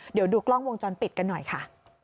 เดี๋ยวดูกล้องวงจรปิดกันหน่อยค่ะ